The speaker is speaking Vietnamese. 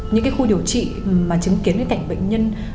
những cái khu điều trị mà chứng kiến những cái cảnh bệnh nhân